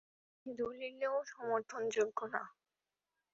এ দলীলও সমর্থনযোগ্য নয়।